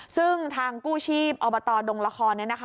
ซึ่งทางกู้ชีพอบตดงละครเนี่ยนะคะ